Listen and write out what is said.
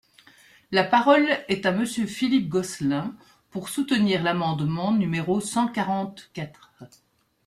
La parole est à Monsieur Philippe Gosselin, pour soutenir l’amendement numéro cent quarante-quatre.